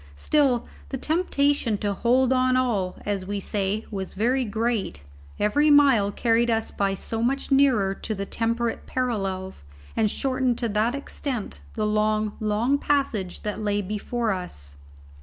Still the temptation to "hold on all," as we say, was very great; every mile carried us by so much nearer to the temperate parallels, and shortened to that extent the long, long passage that lay before us.